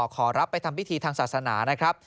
ขอรับไปทำพิธีทางศาสนานะครับ